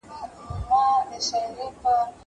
زه له سهاره سبزېجات تياروم!!